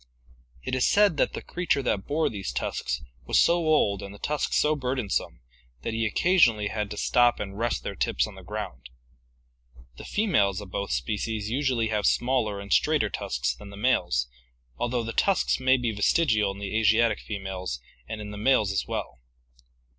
It is said that the creature that bore these tusks was so old and the tusks so burdensome that he occasionally had to stop and rest their tips on the ground. The females of both species usually have smaller and straighter tusks than the males, although the tusks may be vestigial in the Asiatic females and in the males as well.